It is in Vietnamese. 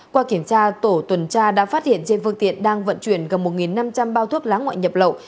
qua kiểm tra tổ tuần tra đã phát hiện trên phương tiện đang vận chuyển gần một năm trăm linh bao thuốc lá ngoại nhập lậu